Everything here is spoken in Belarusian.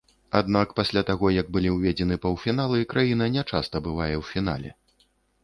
Аднак пасля таго як былі ўведзены паўфіналы, краіна нячаста бывае ў фінале.